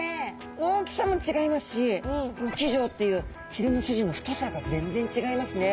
大きさも違いますしこの鰭条っていうひれの筋の太さが全然違いますね。